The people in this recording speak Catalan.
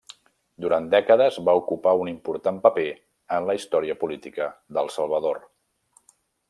Durant dècades va ocupar un important paper en la història política del Salvador.